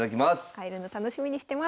会えるの楽しみにしてます。